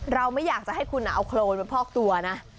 เราไม่อยากจะให้คุณเอาโครนมาพอกตัวนะ